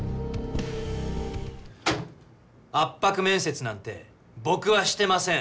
圧迫面接なんて僕はしてません！